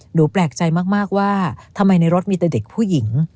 หนูแปลกใจมากว่าทำไมในรถมีแต่เด็กผู้หญิง